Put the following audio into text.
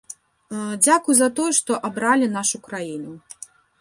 Дзякуй за тое, што абралі нашу краіну.